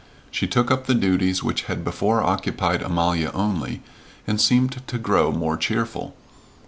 She took up the duties which had before occupied Amalia only, and seemed to grow more cheerful.